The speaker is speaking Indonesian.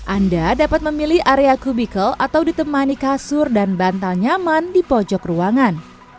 anda dapat memilih area cubical atau ditemani kasur dan bantal nyaman di pojok ruangan